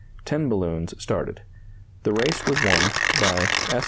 Ten balloons started. The race was won by S.